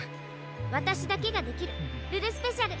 わたしだけができるルルスペシャル！